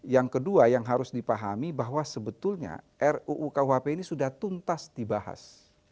yang kedua yang harus dipahami bahwa sebetulnya ruu kuhp ini sudah tuntas dibahas